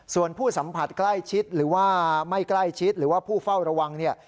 ส่วนผู้สัมผัสใกล้ชิดหรือว่าไม่ใกล้ชิดหรือว่าผู้เฝ้าระวังเนี่ย